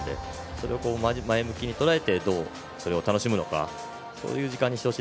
それを前向きにとらえてどう、それを楽しむのか。